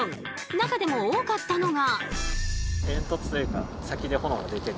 中でも多かったのが。